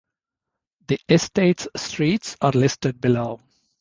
The estate's streets are listed below.